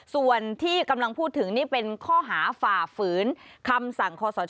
ส่วนที่กำลังพูดถึงนี่เป็นข้อหาฝ่าฝืนคำสั่งคอสช